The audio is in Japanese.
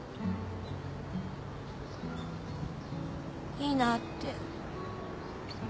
いいなって。